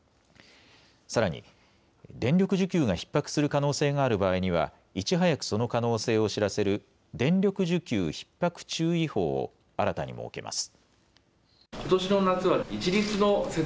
さらに、電力需給がひっ迫する可能性がある場合にはいち早くその可能性を知らせる電力需給ひっ迫注意報を新たに設けます。